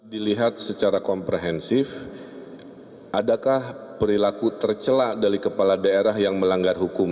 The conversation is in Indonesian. dilihat secara komprehensif adakah perilaku tercelak dari kepala daerah yang melanggar hukum